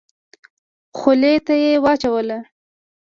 خولې ته يې واچوله.